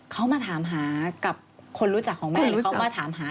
เขาก็มาถามหากับคนรู้จักของแม่หรือแถวแม่เลย